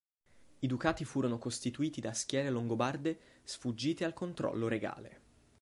I ducati furono costituiti da schiere longobarde sfuggite al controllo regale.